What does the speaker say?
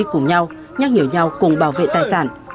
cùng nhau nhắc nhở nhau cùng bảo vệ tài sản